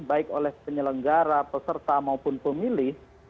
baik oleh penyelenggara peserta maupun pemilih